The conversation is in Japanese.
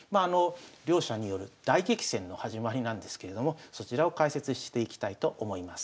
両者による大激戦の始まりなんですけれどもそちらを解説していきたいと思います。